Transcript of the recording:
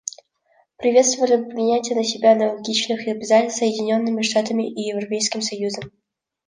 Приветствовали бы принятие на себя аналогичных обязательств Соединенными Штатами и Европейским союзом.